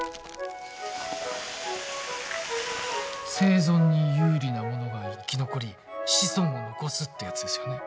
生存に有利なものが生き残り子孫を残すってやつですよね？